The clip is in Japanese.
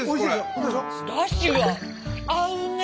だしが合うね。